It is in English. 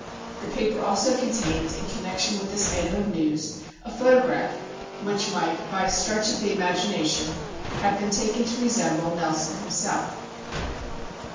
The paper also contained, in connection with this item of news, a photograph which might, by a stretch of the imagination, have been taken to resemble Nelson himself.